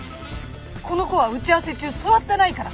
この子は打ち合わせ中座ってないから。